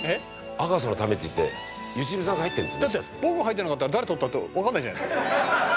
「阿川さんのためっていって良純さんが入ってる」だって僕が入ってなかったら誰撮ったってわかんないじゃないですか。